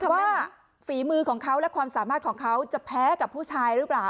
ฝีมือของเขาและความสามารถของเขาจะแพ้กับผู้ชายหรือเปล่า